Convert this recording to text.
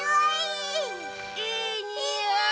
いいにおい！